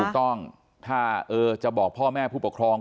ถูกต้องถ้าจะบอกพ่อแม่ผู้ปกครอง